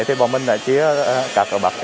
thì bọn mình đã chia cạc ở bắc